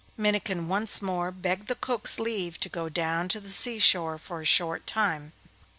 Minnikin once more begged the cook's leave to go down to the sea shore for a short time.